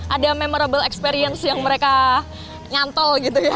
ada memorable experience yang mereka nyantol gitu ya